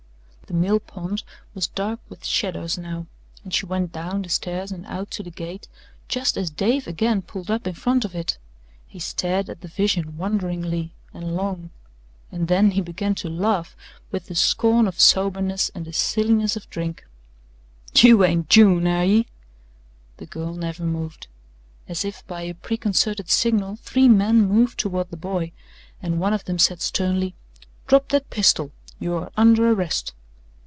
The millpond was dark with shadows now, and she went down the stairs and out to the gate just as Dave again pulled up in front of it. He stared at the vision wonderingly and long, and then he began to laugh with the scorn of soberness and the silliness of drink. "YOU ain't June, air ye?" The girl never moved. As if by a preconcerted signal three men moved toward the boy, and one of them said sternly: "Drop that pistol. You are under arrest.'